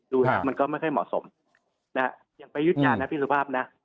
ดูนะครับมันก็ไม่ค่อยเหมาะสมนะครับยังไปยุทยานะพิสุภาพนะ